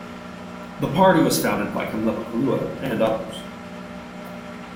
The party was founded by Kamlepo Kalua and others.